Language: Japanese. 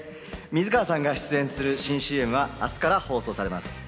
水川さんが出演する新ＣＭは明日から放送されます。